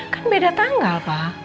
kan beda tanggal pak